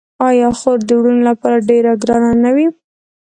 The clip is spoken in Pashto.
آیا خور د وروڼو لپاره ډیره ګرانه نه وي؟